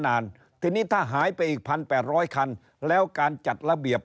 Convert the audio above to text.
นานทีนี้ถ้าหายไปอีกพันแปดร้อยคันแล้วการจัดระเบียบ